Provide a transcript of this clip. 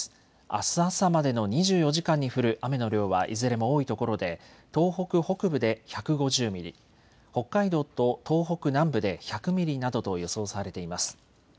あす朝までの２４時間に降る雨の量はいずれも多いところで東北北部で１５０ミリ、北海道と東北南部で１００ミリなどと予想されています。